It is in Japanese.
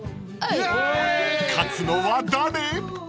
［勝つのは誰？］